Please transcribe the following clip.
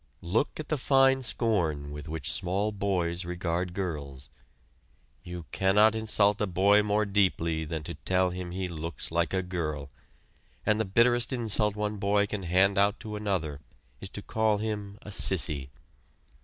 Look at the fine scorn with which small boys regard girls! You cannot insult a boy more deeply than to tell him he looks like a girl and the bitterest insult one boy can hand out to another is to call him a "sissy."